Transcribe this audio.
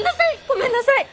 ごめんなさい！